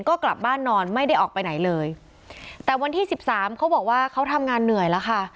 ก็กลับบ้านนอนไม่ได้ออกไปไหนเลยแต่วันที่สิบสามเขาบอกว่าเขาทำงานเหนื่อยแล้วค่ะ